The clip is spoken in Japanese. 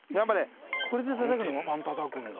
あの鉄板たたくんだ。